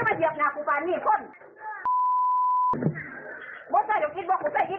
มันก็ไม่เยี่ยมนานกูกับอันนี้คน